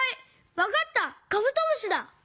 わかったカブトムシだ！